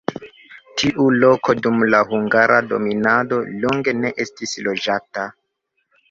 Tiu loko dum la hungara dominado longe ne estis loĝata.